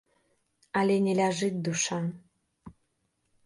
Але не ляжыць душа.